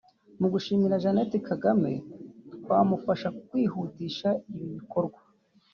Mu gushimira Madamu Jeannette Kagame twamufasha kwihutisha ibi bikorwa